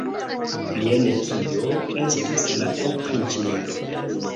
Jen kio estas la opriĉnino!